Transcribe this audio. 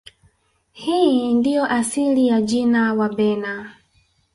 Hii ndiyo asili ya jina Wabena